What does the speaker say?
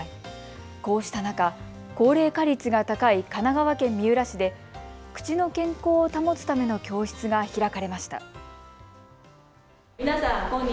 こうした中、高齢化率が高い神奈川県三浦市で口の健康を保つための教室が開かれました。